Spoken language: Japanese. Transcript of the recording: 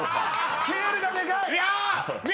スケールがでかい！